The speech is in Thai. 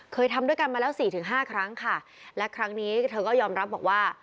ทำด้วยกันมาแล้วสี่ถึงห้าครั้งค่ะและครั้งนี้เธอก็ยอมรับบอกว่า